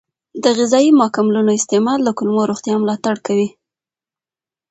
د غذایي ماکملونو استعمال د کولمو روغتیا ملاتړ کوي.